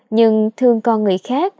nhưng thương con người khác